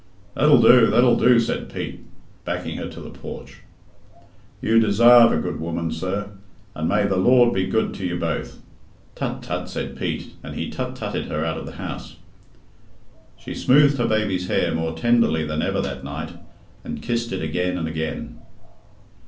"That'll do that'll do," said Pete, backing her to the porch. "You desarve a good woman, sir, and may the Lord be good to you both." "Tut! tut!" said Pete, and he tut tutted her out of the house. She smoothed her baby's hair more tenderly than ever that night, and kissed it again and again.